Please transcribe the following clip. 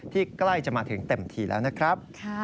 ใกล้จะมาถึงเต็มทีแล้วนะครับ